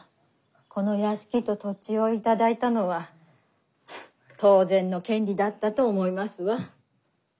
この屋敷と土地を頂いたのは当然の権利だったと思いますわ。